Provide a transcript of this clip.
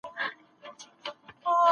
ښه دادی، چي لور هم متوجه کړي.